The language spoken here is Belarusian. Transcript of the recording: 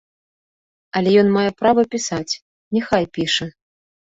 Але ён мае права пісаць, няхай піша.